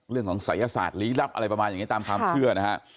เรื่องของศัยศาสตร์หรือลักษณ์อะไรประมาณนี้ตามความเครื่องนะฮะ